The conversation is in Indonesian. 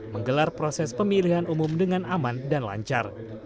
menggelar proses pemilihan umum dengan aman dan lancar